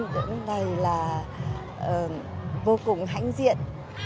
cũng này là vô cùng hãnh diện